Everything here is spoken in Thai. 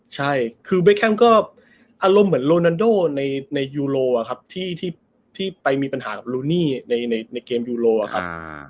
ใช่คือเบแคมก็อารมณ์เหมือนโรนันโดในยูโรครับที่ไปมีปัญหากับลูนี่ในเกมยูโรครับ